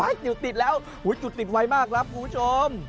เดี๋ยวติดแล้วจุดติดไวมากครับคุณผู้ชม